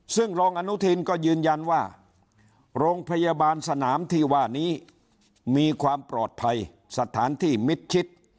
ซึ่งรองอนุทินก็ยืนยันว่าโรงพยาบาลสนามที่ว่านี้มีความปลอดภัยสถานที่มิดชิด